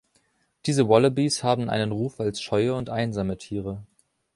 Diese Wallabys haben einen Ruf als scheue und einsame Tiere.